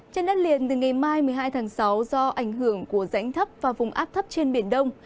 trên đất liền từ ngày mai một mươi hai tháng sáu do ảnh hưởng của rãnh thấp và vùng áp thấp trên biển đông